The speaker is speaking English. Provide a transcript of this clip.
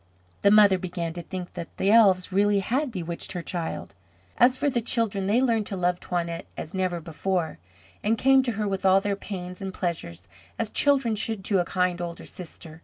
The mother began to think that the elves really had bewitched her child. As for the children they learned to love Toinette as never before, and came to her with all their pains and pleasures, as children should to a kind older sister.